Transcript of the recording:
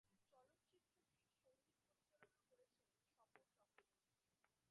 চলচ্চিত্রটির সঙ্গীত পরিচালনা করেছিলেন স্বপন চক্রবর্তী।